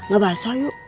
gak basah yuk